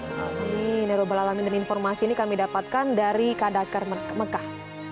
ini neurobalamin dan informasi ini kami dapatkan dari kadakar mekah